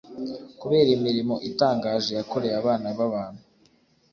kubera imirimo itangaje yakoreye abana b’abantu.